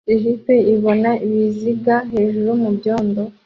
Jeep ibona ibiziga hejuru mubyondo